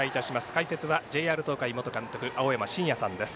解説はＪＲ東海元監督青山眞也さんです。